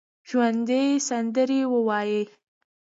ژوندي سندرې وايي